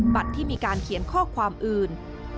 ที่มีการเขียนข้อความอื่น